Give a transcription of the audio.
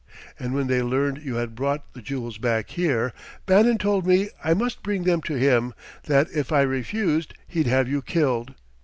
And when they learned you had brought the jewels back here, Bannon told me I must bring them to him that, if I refused, he'd have you killed.